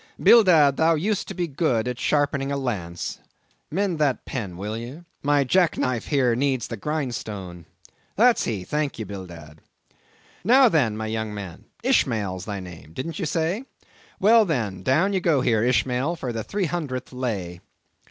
Bildad, thou used to be good at sharpening a lance, mend that pen, will ye. My jack knife here needs the grindstone. That's he; thank ye, Bildad. Now then, my young man, Ishmael's thy name, didn't ye say? Well then, down ye go here, Ishmael, for the three hundredth lay."